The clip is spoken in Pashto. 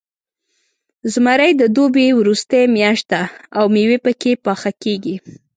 زمری د دوبي وروستۍ میاشت ده، او میوې پکې پاخه کېږي.